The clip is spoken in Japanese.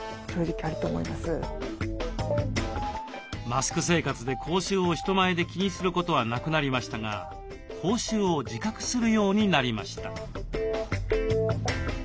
マスク生活で口臭を人前で気にすることはなくなりましたが口臭を自覚するようになりました。